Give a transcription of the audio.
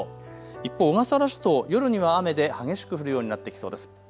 一方、小笠原諸島、夜には雨で激しく降るようになってきそうです。